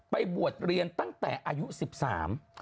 บวชเรียนตั้งแต่อายุสิบสาม